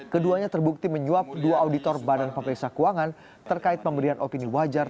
keduanya terbukti menyuap dua auditor badan pemeriksa keuangan terkait pemberian opini wajar